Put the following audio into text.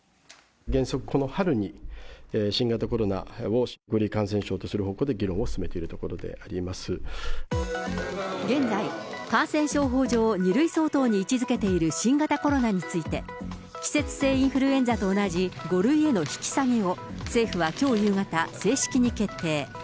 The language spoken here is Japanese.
原則この春に、新型コロナを５類感染症とする方向で議論を進めているところであ現在、感染症法上２類相当に位置づけている新型コロナについて、季節性インフルエンザと同じ５類への引き下げを、政府はきょう夕方、正式に決定。